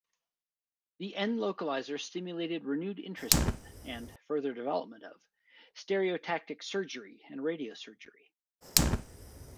The N-localizer stimulated renewed interest in, and further development of, stereotactic surgery and radiosurgery.